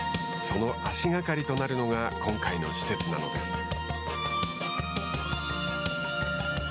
その足がかりとなるのが今回の施設なのです。